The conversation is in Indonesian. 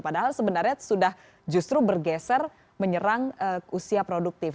padahal sebenarnya sudah justru bergeser menyerang usia produktif